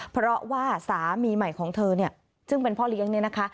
เพราะว่าสามีใหม่ของเธอเนี่ยซึ่งเป็นพ่อเลี้ยงเนี่ยนะคะ